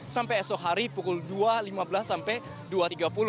sampai esok hari pukul dua lima belas sampai dua tiga puluh